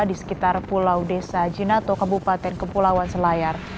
di sekitar pulau desa jinato kabupaten kepulauan selayar